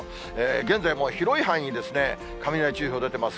現在も広い範囲で雷注意報出てます。